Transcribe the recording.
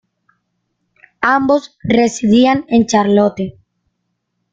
Ambos residían en Charlotte.